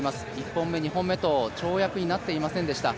１本目、２本目と跳躍になっていませんでした。